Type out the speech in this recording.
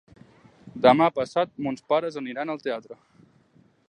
Demà passat mons pares aniran al teatre.